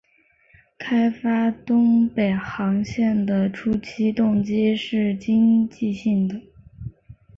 开发东北航线的初期动机是经济性的。